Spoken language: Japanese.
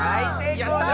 やった！